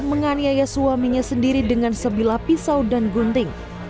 menganiaya suaminya sendiri dengan sebilah pisau dan gunting